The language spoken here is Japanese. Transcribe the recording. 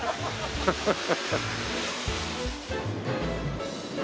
ハハハハ。